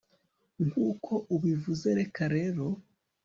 Nkuko ubivuze reka rero